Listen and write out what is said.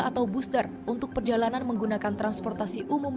atau booster untuk perjalanan menggunakan transportasi umum